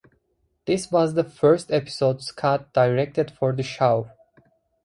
This was the first episode Scott directed for the show.